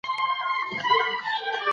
ماشومان د پلار لارښوونو له امله خوشحال وي.